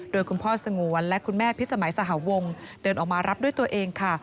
โดยคุณพ่อสงวนและคุณแม่พิสมัยสหวงเดินออกมารับด้วยตัวเองค่ะ